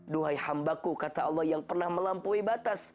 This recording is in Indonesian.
duhai hambaku kata allah yang pernah melampaui batas